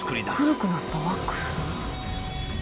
古くなったワックス。